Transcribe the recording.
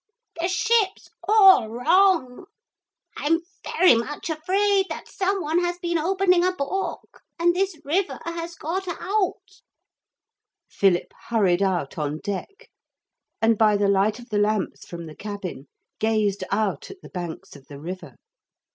The ship's all wrong. I'm very much afraid some one has been opening a book and this river has got out.' Philip hurried out on deck, and by the light of the lamps from the cabin, gazed out at the banks of the river.